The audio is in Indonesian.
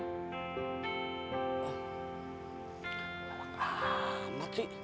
lelak amat sih